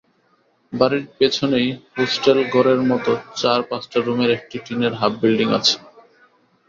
বাড়ির পেছনেই হোস্টেল ঘরের মতো চার-পাঁচটা রুমের একটা টিনের হাফ-বিল্ডিং আছে।